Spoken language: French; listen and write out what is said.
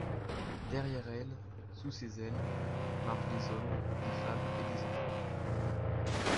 Derrière elle, sous ses ailes, marchent des hommes, des femmes et des enfants.